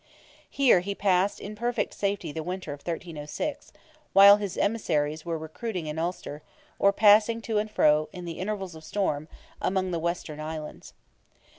Here he passed in perfect safety the winter of 1306, while his emissaries were recruiting in Ulster, or passing to and fro, in the intervals of storm, among the western islands.